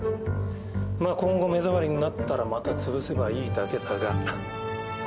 今後目障りになったらまたつぶせばいいだけだが。